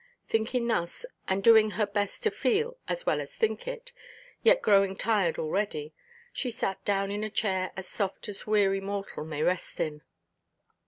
Thinking thus, and doing her best to feel as well as think it, yet growing tired already, she sat down in a chair as soft as weary mortal may rest in.